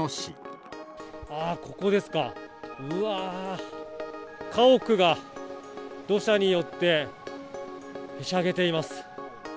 うわー、家屋が土砂によって、ひしゃげています。